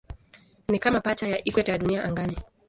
Ni kama pacha ya ikweta ya Dunia angani.